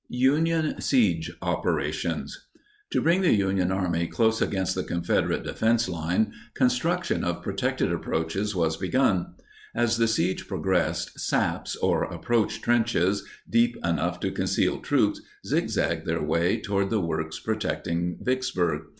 UNION SIEGE OPERATIONS. To bring the Union Army close against the Confederate defense line, construction of protected approaches was begun. As the siege progressed, "saps" or "approach trenches," deep enough to conceal troops, zigzagged their way toward the works protecting Vicksburg.